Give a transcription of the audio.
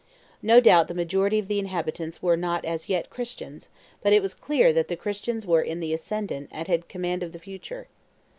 No doubt the majority of the inhabitants were not as yet Christians; but it was clear that the Christians were in the ascendant and had command of the future.